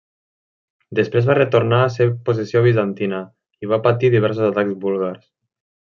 Després va retornar a ser possessió bizantina i va patir diversos atacs búlgars.